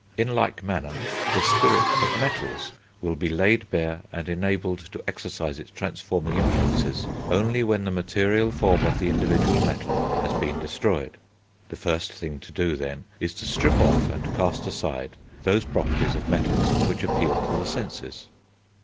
In like manner the spirit of metals will be laid bare and enabled to exercise its transforming influences, only when the material form of the individual metal has been destroyed. The first thing to do, then, is to strip off and cast aside those properties of metals which appeal to the senses.